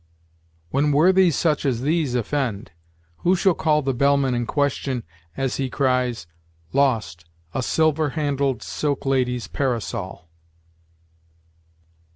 When worthies such as these offend, who shall call the bellman in question as he cries, 'Lost, a silver handled silk lady's parasol'?